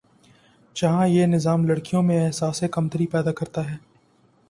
جہاں یہ نظام لڑکیوں میں احساسِ کمتری پیدا کرتا ہے